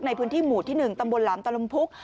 ในพื้นที่หมู่ที่๑ตำบลหลามตะลุมพุก